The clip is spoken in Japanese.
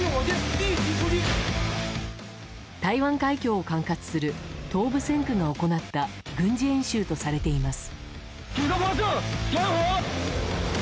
台湾海峡を管轄する東部戦区が行った軍事演習とされています。